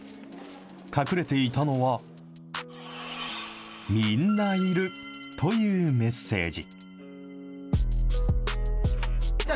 隠れていたのは、みんないるというメッセージ。